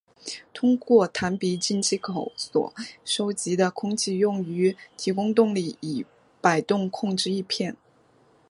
通过弹鼻进气口所收集的空气用于提供动力以摆动控制翼片。